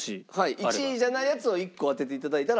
１位じゃないやつを１個当てて頂いたらもう。